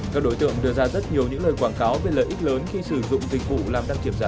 các đối tượng đưa ra rất nhiều những lời quảng cáo về lợi ích lớn khi sử dụng dịch vụ làm đăng kiểm giả